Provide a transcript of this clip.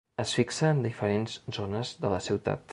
Es fixa en diferents zones de la ciutat.